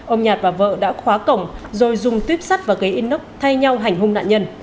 ông nhạt và vợ đã khóa cổng rồi dùng tuyếp sắt và cấy inox thay nhau hành hung nạn nhân